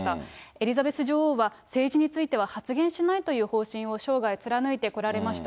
エリザベス女王は、政治については発言しないという方針を生涯貫いてこられました。